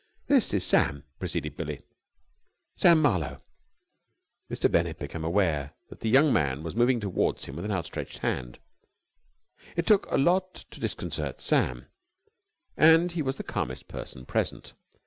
"This is Sam," proceeded Billie. "Sam Marlowe." Mr. Bennett became aware that the young man was moving towards him with outstretched hand. It took a lot to disconcert Sam, and he was the calmest person present.